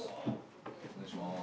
お願いします。